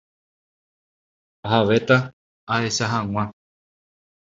Ahavéta ahecha hag̃ua.